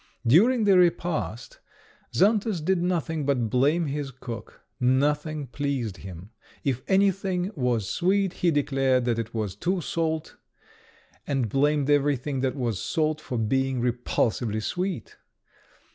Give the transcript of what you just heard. During the repast Xantus did nothing but blame his cook. Nothing pleased him. If anything was sweet, he declared that it was too salt, and blamed everything that was salt for being repulsively sweet.